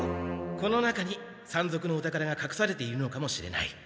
この中に山賊のお宝がかくされているのかもしれない。